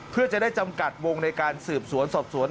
เพื่อจะได้จำกัดวงในการสืบสวนสอบสวน